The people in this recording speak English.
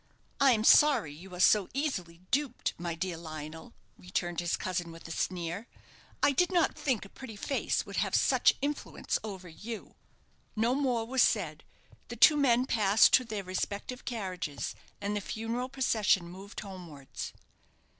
"I am sorry you are so easily duped, my dear Lionel," returned his cousin, with a sneer. "I did not think a pretty face would have such influence over you." No more was said. The two men passed to their respective carriages, and the funeral procession moved homewards.